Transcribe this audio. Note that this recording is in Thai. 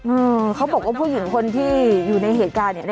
อืมเขาบอกว่าผู้หญิงคนที่อยู่ในเหตุการณ์เนี่ย